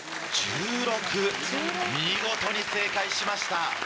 見事に正解しました。